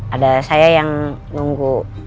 ada saya yang nunggu